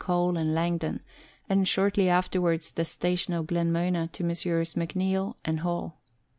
Cole and Langdon, and shortly afterwards the station of Glenmona to Messrs. McNeil and Hall.